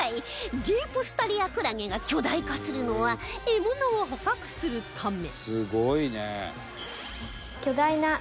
ディープスタリアクラゲが巨大化するのは獲物を捕獲するため